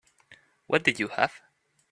What did you have?